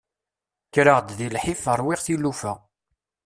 Kkreɣ-d deg lḥif ṛwiɣ tilufa.